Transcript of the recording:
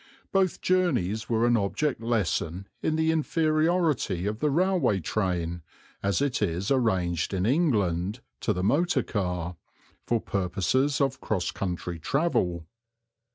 Both journeys were an object lesson in the inferiority of the railway train, as it is arranged in England, to the motor car, for purposes of cross country travel.